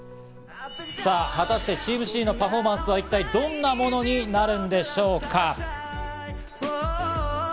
さぁ、果たしてチームＣのパフォーマンスは一体どんなものになるんでしょうか？